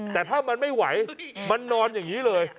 แต่ถ้ามันไม่ไหวมันนอนอย่างนี้เลย